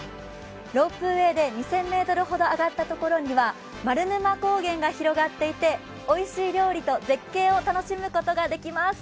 ロープウエーで２０００ｍほど上がったところには丸沼高原が広がっていておいしい料理と絶景を楽しむことができます。